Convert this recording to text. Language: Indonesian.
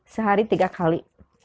sehari tiga kali